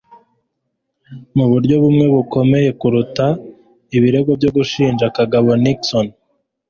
muburyo bumwe bukomeye kuruta ibirego byo gushinja Kagabo Nixon